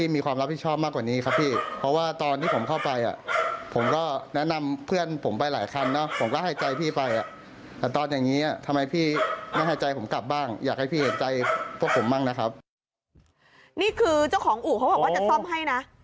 นี่คือเจ้าของอู่เขาบอกว่าจะซ่อมให้นะ